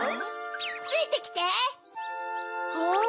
ついてきて！